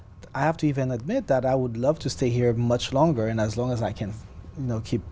việt nam là một trong những đất nước